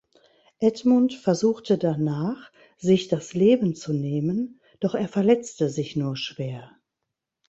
Edmund versuchte danach, sich das Leben zu nehmen, doch er verletzte sich nur schwer.